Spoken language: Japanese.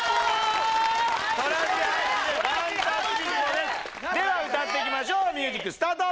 トラジ・ハイジで「ファンタスティポ」ですでは歌っていきましょうミュージックスタート！